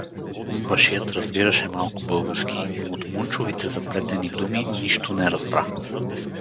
Онбашият разбираше малко български, но от Мунчовите заплетени думи нищо не разбра.